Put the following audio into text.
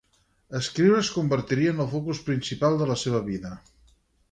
Escriure es convertiria en el focus principal de la seva vida.